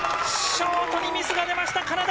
ショートにミスが出ましたカナダ。